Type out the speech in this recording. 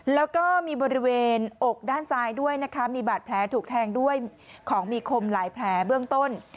แล้วก็มีบริเวณอกด้านซ้ายด้วยนะคะมีบาดแผลถูกแทงด้วยของมีคมหลายแผลเบื้องต้น